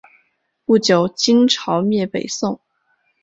不久金朝灭北宋。